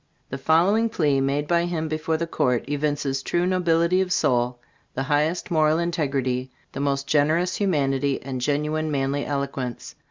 The following Plea, made by him before the Court, evinces true nobility of soul, the highest moral integrity, the most generous humanity, and genuine manly eloquence.